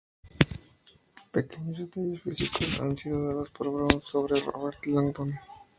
Pequeños detalles físicos han sido dados por Brown sobre Robert Langdon.